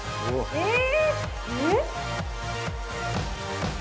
えっ？